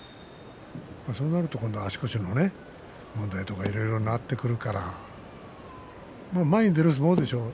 そうなると今度は足腰とかね問題とかいろいろなってくるから前に出る相撲でしょう